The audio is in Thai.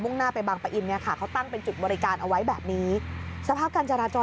มุ่งหน้าไปบางปะอินเนี่ยค่ะ